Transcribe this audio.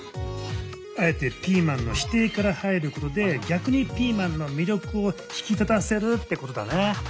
あえてピーマンの否定から入ることで逆にピーマンの魅力を引き立たせるってことだね。